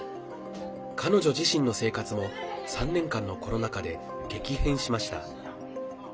彼女自身の生活も３年間のコロナ禍で激変しました。